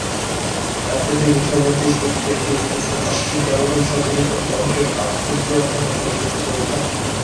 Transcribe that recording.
অপরদিকে, সামুদ্রিক প্রক্রিয়া সুস্পষ্ট পাক্ষিক ব্যবধান সংবলিত অর্ধ-আহ্নিক জোয়ার-ভাটা সংঘটিত করে থাকে।